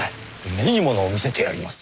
目に物を見せてやります。